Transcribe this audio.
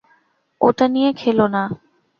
ওটা নিয়ে খেলো না।